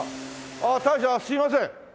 ああ大将すみません。